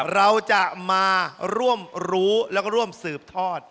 เราจะมาร่วมรู้แล้วก็ร่วมสืบทอด